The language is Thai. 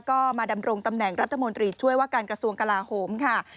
ก็มาดำรงตำแหน่งรัฐมนตรีช่วยว่าการกระทรวงกลาโหมค่ะ